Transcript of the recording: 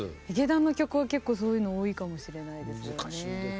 ヒゲダンの曲は結構そういうの多いかもしれないですよね。